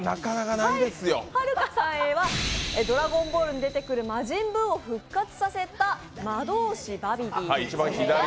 はるかさんは「ドラゴンボール」に出てくる魔人ブウを復活させた魔導師・バビディ。